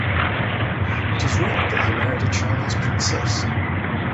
It is rumoured that he married a Chinese princess.